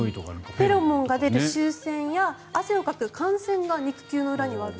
フェロモンが出る臭腺や汗をかく汗腺が肉球の裏にはあると。